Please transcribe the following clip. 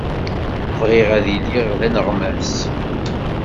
Bɣiɣ ad iliɣ d aneɣmas.